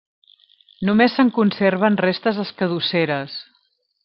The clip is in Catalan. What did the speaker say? Només se'n conserven restes escadusseres.